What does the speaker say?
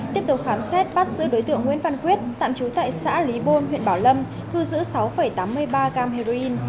tiếp tục khám xét bắt giữ đối tượng nguyễn văn quyết tạm trú tại xã lý bôn huyện bảo lâm thu giữ sáu tám mươi ba g heroin